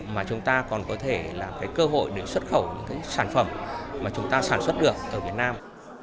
mà chúng ta còn có thể là cơ hội để xuất khẩu những sản phẩm mà chúng ta sản xuất được ở việt nam